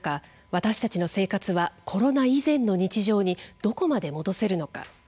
私たちの生活はコロナ以前の日常にどこまで戻せるのか。